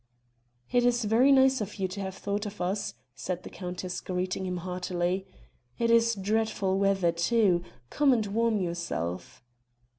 "It is very nice of you to have thought of us," said the countess greeting him heartily; "it is dreadful weather too come and warm yourself."